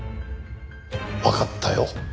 わかったよ。